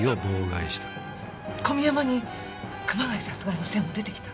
小宮山に熊谷殺害の線も出てきた？